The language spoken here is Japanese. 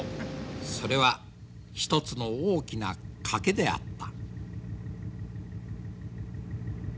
それは一つの大きな賭けであった。